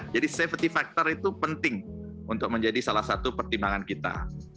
safety factor itu penting untuk menjadi salah satu pertimbangan kita